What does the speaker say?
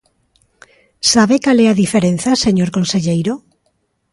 ¿Sabe cal é a diferenza, señor conselleiro?